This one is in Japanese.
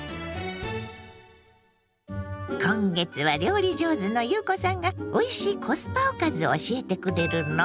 今月は料理上手の裕子さんがおいしいコスパおかずを教えてくれるの。